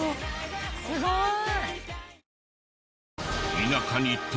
すごい。